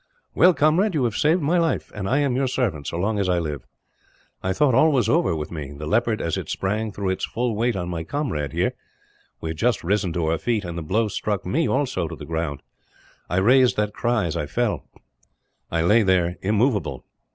"Well, comrade, you have saved my life; and I am your servant, so long as I live. I thought all was over with me. The leopard, as it sprang, threw its full weight on my comrade, here. We had just risen to our feet; and the blow struck me, also, to the ground. I raised that cry as I fell. I lay there, immovable.